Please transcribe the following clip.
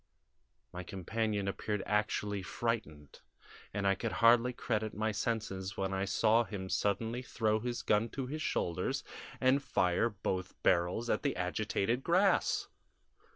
My companion appeared actually frightened, and I could hardly credit my senses when I saw him suddenly throw his gun to his shoulders and fire both barrels at the agitated grass!